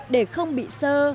để không bị sơ